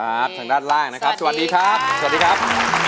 ทางด้านล่างนะครับสวัสดีครับสวัสดีครับ